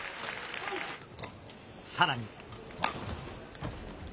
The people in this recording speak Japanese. さらに。